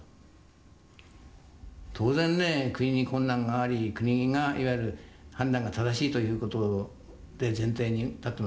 当然ね国に困難があり国がいわゆる判断が正しいということを前提に立ってますからね。